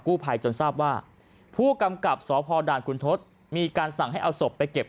ภัยจนทราบว่าผู้กำกับสพด่านคุณทศมีการสั่งให้เอาศพไปเก็บ